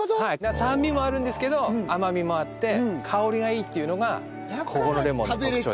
酸味もあるんですけど甘みもあって香りがいいっていうのがここのレモンの特徴です。